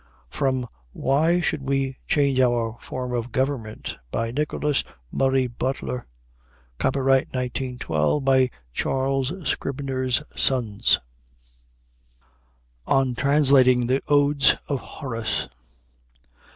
'" [From Why Should We Change Our Form of Government, by Nicholas Murray Butler. Copyright, 1912, by Charles Scribner's Sons.] ON TRANSLATING THE ODES OF HORACE W.